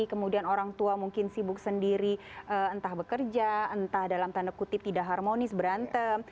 kemudian orang tua mungkin sibuk sendiri entah bekerja entah dalam tanda kutip tidak harmonis berantem